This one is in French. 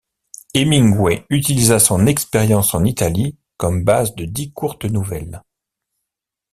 Hemingway utilisa son expérience en Italie comme base de dix courtes nouvelles.